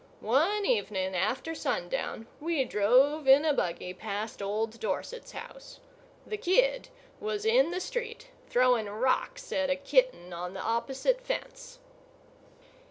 One evening after sundown, we drove in a buggy past old Dorset's house. The kid was in the street, throwing rocks at a kitten on the opposite fence.